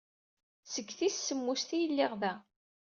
Seg tis semmuset ay lliɣ da.